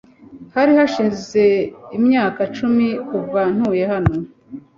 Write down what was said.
Hari hashize imyaka icumi kuva ntuye hano.